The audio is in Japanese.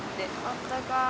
あったかい。